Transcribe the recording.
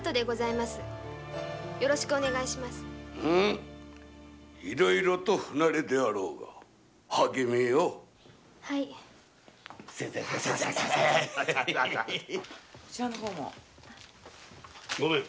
いろいろと不慣れであろうが励めよ。ごめん。